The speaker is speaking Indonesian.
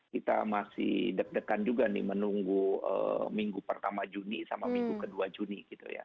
kita masih deg degan juga menunggu minggu pertama juni sama minggu kedua juni